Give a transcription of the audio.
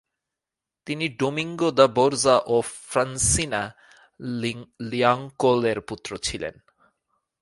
তিনি Domingo de Borja ও Francina লিয়াঙ্কোল-এর পুত্র ছিলেন।